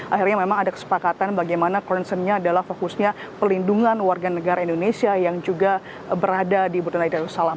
akhirnya memang ada kesepakatan bagaimana concernnya adalah fokusnya pelindungan warga negara indonesia yang juga berada di brunei darussalam